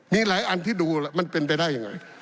มีหลายอันที่ดูแล้วมันเป็นไปได้อย่างไร